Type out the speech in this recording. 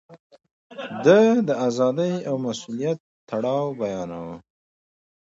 ده د ازادۍ او مسووليت تړاو بيانوه.